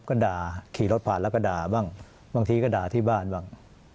ก็ด่าขี่รถผ่านแล้วก็ด่าบ้างบางทีก็ด่าที่บ้านบ้าง